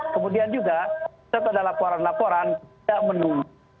kemudian juga setelah laporan laporan tidak menunggu